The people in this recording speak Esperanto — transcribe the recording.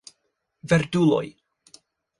Verduloj